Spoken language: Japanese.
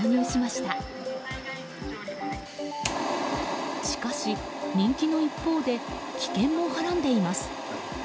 しかし、人気の一方で危険もはらんでいます。